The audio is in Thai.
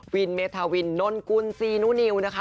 เมธาวินนนกุลซีนุนิวนะคะ